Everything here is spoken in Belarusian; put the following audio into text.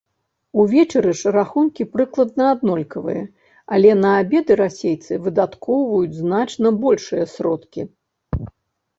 Увечары ж рахункі прыкладна аднолькавыя, але на абеды расейцы выдаткоўваюць значна большыя сродкі.